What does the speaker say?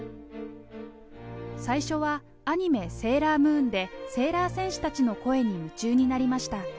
最初はアニメ、セーラームーンで、セーラー戦士たちの声に夢中になりました。